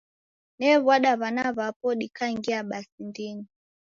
Ne'wada w'ana w'apo dikangia basi ndini.